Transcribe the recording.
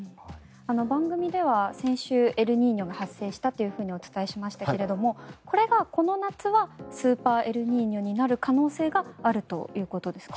番組では先週エルニーニョが発生したとお伝えしましたけれどもこれがこの夏はスーパーエルニーニョになる可能性があるということですか？